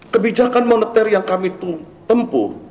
kebijakan moneter yang kami tempuh